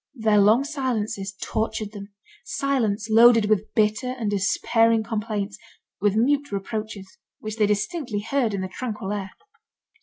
Their long silences tortured them, silence loaded with bitter and despairing complaints, with mute reproaches, which they distinctly heard in the tranquil air.